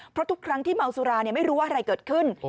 เพราะทุกครั้งที่เมาสุราไม่รู้ว่าอะไรเกิดขึ้น